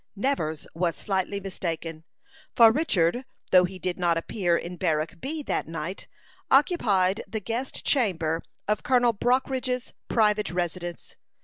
Nevers was slightly mistaken; for Richard, though he did not appear in Barrack B that night, occupied the guest chamber of Colonel Brockridge's private residence.